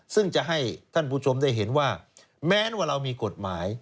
ซึ่งจะให้ท่านผู้ชมได้เห็นว่าแม้ว่าเรามีกฎหมาย